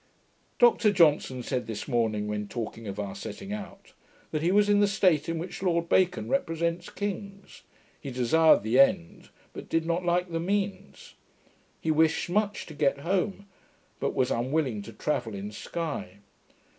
Dr Johnson said this morning, when talking of our setting out, that he was in the state in which Lord Bacon represents kings. He desired the end, but did not like the means. He wished much to get home, but was unwilling to travel in Sky.